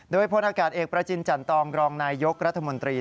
โดยพลอากาศเอกประจินจันตองรองนายยกรัฐมนตรี